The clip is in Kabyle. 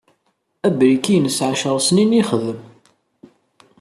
Abriki-ines ɛecr-snin i yexdem.